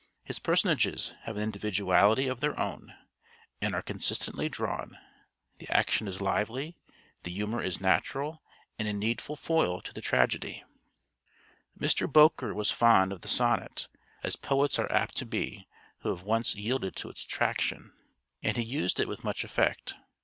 His personages have an individuality of their own and are consistently drawn; the action is lively, the humor is natural and a needful foil to the tragedy. [Illustration: George H. Boker.] Mr. Boker was fond of the sonnet, as poets are apt to be who have once yielded to its attraction, and he used it with much effect.